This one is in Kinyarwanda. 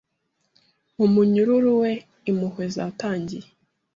Mu munyururu we Impuhwe zatangiye